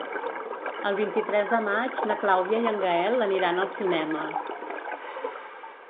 El vint-i-tres de maig na Clàudia i en Gaël aniran al cinema.